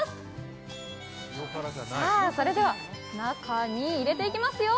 それでは中に入れていきますよ。